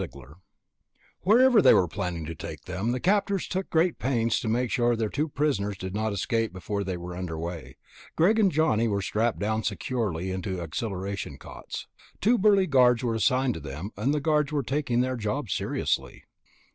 Prisoners Wherever they were planning to take them, the captors took great pains to make sure that their two prisoners did not escape before they were underway. Greg and Johnny were strapped down securely into accelleration cots. Two burly guards were assigned to them, and the guards were taking their job seriously.